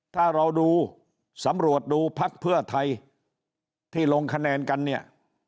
ถ้าเราดูสำรวจดูพักเพื่อไทยที่ลงคะแนนกันเนี่ย